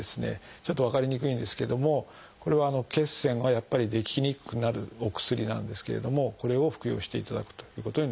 ちょっと分かりにくいんですけどもこれは血栓がやっぱり出来にくくなるお薬なんですけれどもこれを服用していただくということになります。